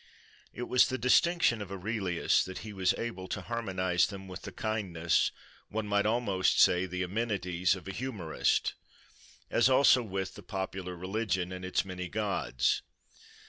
It was the distinction of Aurelius that he was able to harmonise them with the kindness, one might almost say the amenities, of a humourist, as also with the popular religion and its many gods.